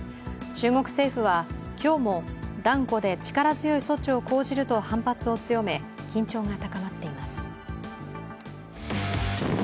中国政府は、今日も断固で力強い措置を講じると反発を強め、緊張が高まっています